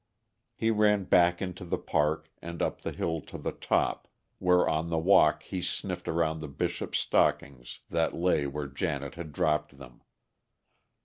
He ran back into the park and up the hill to the top, where on the walk he sniffed around the Bishop's stockings that lay where Janet had dropped them.